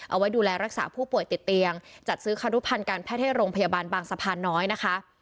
เอาไว้ดูแลรักษาผู้ป่วยติดเตียงจัดซื้อคารุพันธ์การแพทย์ให้โรงพยาบาลบางสะพานน้อยนะคะ